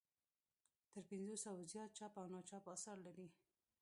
تر پنځو سوو زیات چاپ او ناچاپ اثار لري.